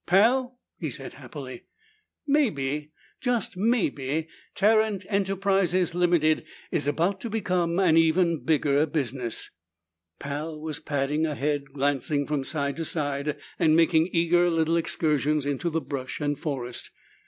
"Pal," he said happily, "maybe, just maybe, Tarrant Enterprises, Ltd., is about to become an even bigger business!" Pal was padding ahead, glancing from side to side and making eager little excursions into the brush and forest.